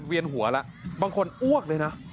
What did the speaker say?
เวียนหัวแล้วบางคนอ้วกเลยนะ